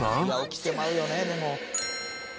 起きてまうよねでも。